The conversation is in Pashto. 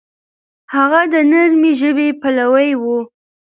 هغه د نرمې ژبې پلوی و.